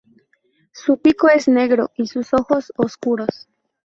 Su pico es negro y sus ojos oscuros.